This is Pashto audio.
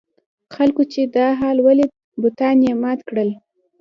خلکو چې دا حال ولید بتان یې مات کړل.